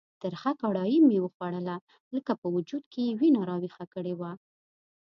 ترخه کړایي چې مې وخوړله لکه په وجود کې یې وینه راویښه کړې وه.